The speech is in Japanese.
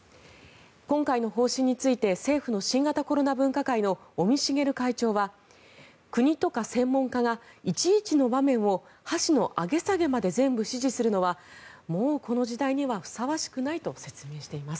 今回の方針について政府の新型コロナ分科会の尾身茂会長は国とか専門家がいちいちの場面を箸の上げ下げまで全部指示するのはもう、この時代にはふさわしくないと説明しています。